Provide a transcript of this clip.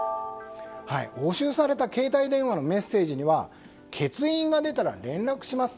押収された携帯電話のメッセージには欠員が出たら連絡しますと。